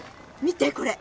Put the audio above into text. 見てこれ。